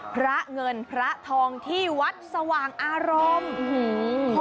พระเงินพระทองที่วัดสว่างอารมณ์